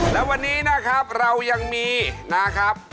และวันนี้นะครับเรายังมีนะครับ